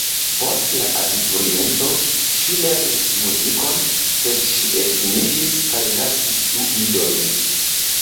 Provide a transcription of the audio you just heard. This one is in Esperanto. Post la abituriento ŝi lernis muzikon, sed ŝi edziniĝis kaj naskis du idojn.